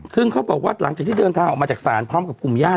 ซึ่งเขาบอกว่าหลังจากที่เดินทางออกมาจากศาลพร้อมกับกลุ่มญาติ